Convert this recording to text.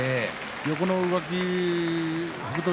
横の動き北勝